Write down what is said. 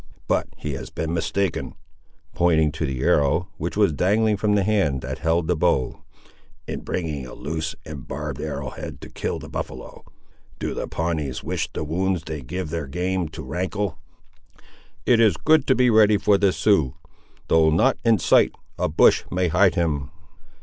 But he has been mistaken," pointing to the arrow, which was dangling from the hand that held the bow, "in bringing a loose and barbed arrow head to kill the buffaloe. Do the Pawnees wish the wounds they give their game to rankle?" "It is good to be ready for the Sioux. Though not in sight, a bush may hide him."